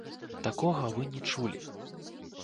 Такога вы не чулі.